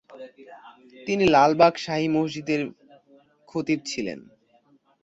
তিনি লালবাগ শাহী মসজিদের খতিব ছিলেন।